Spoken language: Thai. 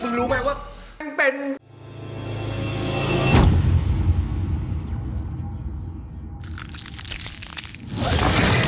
มึงรู้ไหมว่าแม่งเป็น